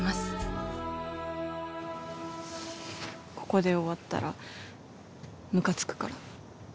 ここで終わったらムカつくから。